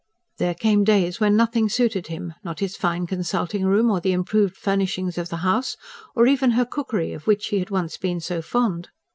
There came days when nothing suited him; not his fine consulting room, or the improved furnishings of the house, or even her cookery of which he had once been so fond.